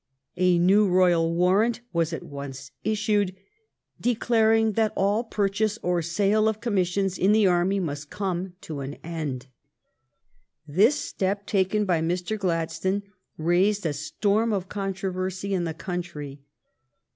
A new royal warrant was at once issued, declaring that all purchase or sale of commissions in the army must come to an end. This step, taken by Mr. Gladstone, raised a storm of con troversy in the country.